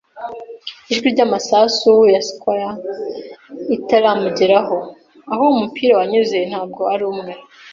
ijwi ryamasasu ya squire itaramugeraho. Aho umupira wanyuze, ntabwo ari umwe